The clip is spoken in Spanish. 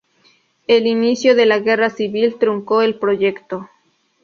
El inicio de la Guerra Civil truncó el proyecto.